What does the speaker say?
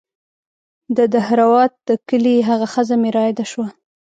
د دهروات د کلي هغه ښځه مې راياده سوه.